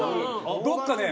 どこかね